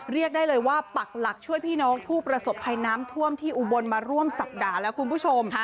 เรียกได้เลยว่าปักหลักช่วยพี่น้องผู้ประสบภัยน้ำท่วมที่อุบลมาร่วมสัปดาห์แล้วคุณผู้ชม